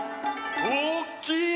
おおきい！